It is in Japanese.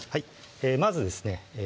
まずですね